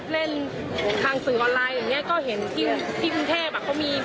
อร่อยกว่ามั้ยแล้วมันจะพิเศษกว่าตรงไหน